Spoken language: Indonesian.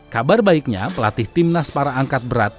kabar baiknya pelatih timnas para angkat berat